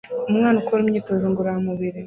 Umwana ukora imyitozo ngororamubiri